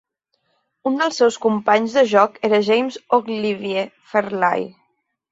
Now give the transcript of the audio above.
Un dels seus companys de joc era James Ogilvie Fairlie.